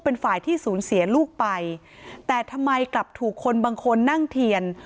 เป็นฝ่ายที่สูญเสียลูกไปแต่ทำไมกลับถูกคนบางคนนั่งเทียน